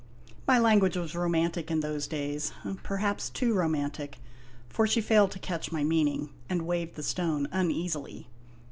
My language was romantic in those days, perhaps too romantic, for she failed to catch my meaning, and waved the stone uneasily.